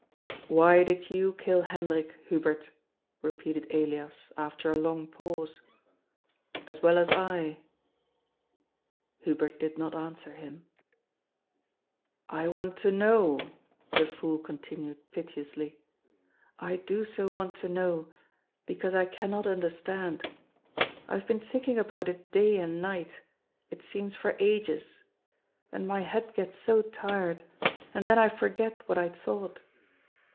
" Why did you kill Hendrik, Hubert ?" repeated Elias after a long pause, '^ as well as I." Hubert did not answer him. " I want to know," the fool continued piteously. " I do so want to know, because I cannot understand. I have been thinking about it day and night ; it seems for ages. And my head gets so tired, and then I forget what I thought.